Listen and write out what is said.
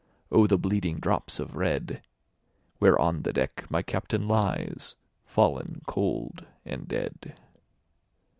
5 O the bleeding drops of red! Where on the deck my Captain lies, Fallen cold and dead.